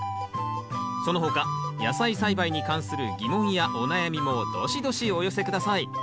その他野菜栽培に関する疑問やお悩みもどしどしお寄せ下さい。